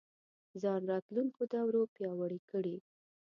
ځان راتلونکو دورو پیاوړی کړي